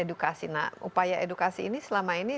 upaya edukasi ini selama ini